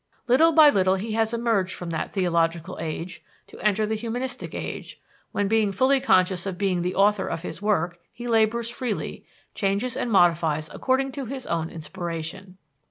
Little by little he has emerged from that theological age, to enter the humanistic age, when, being fully conscious of being the author of his work, he labors freely, changes and modifies according to his own inspiration.